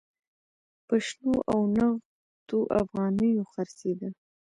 په شنو او نغدو افغانیو خرڅېده.